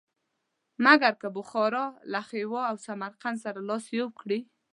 مګر که بخارا له خیوا او خوقند سره لاس یو کړي.